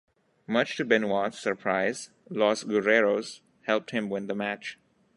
Much to Benoit's surprise, Los Guerreros helped him win the match.